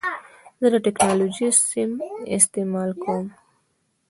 زه د ټکنالوژۍ سم استعمال کوم.